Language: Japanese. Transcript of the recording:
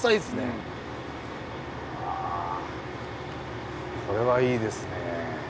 あこれはいいですね。